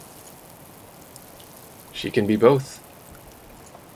She can be both.